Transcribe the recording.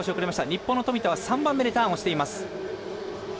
日本の富田は３番目でターンをしています。